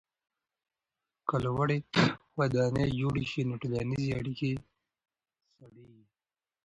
که لوړې ودانۍ جوړې سي نو ټولنیزې اړیکې سړېږي.